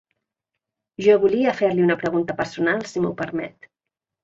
Jo volia fer-li una pregunta personal, si m'ho permet.